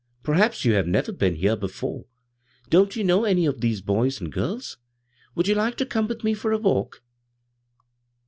'" Perhaps you have never been here before. Don't you know any of these boys and girls ? Would you like to come with me for a walk